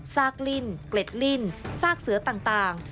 ซากลิ้นเกล็ดลิ่นซากเสือต่าง